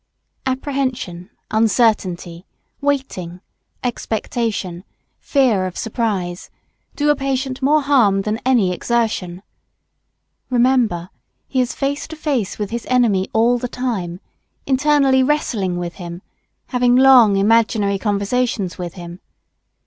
Apprehension, uncertainty, waiting, expectation, fear of surprise, do a patient more harm than any exertion. Remember, he is face to face with his enemy all the time, internally wrestling with him, having long imaginary conversations with him.